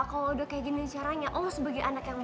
kalau udah kayak gini caranya oh sebagai anak yang